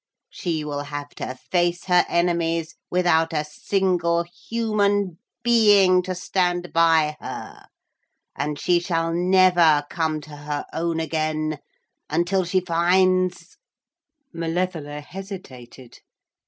She will have to face her enemies without a single human being to stand by her, and she shall never come to her own again until she finds ' Malevola hesitated.